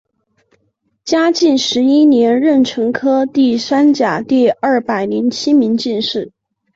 嘉靖十一年壬辰科第三甲第二百零七名进士。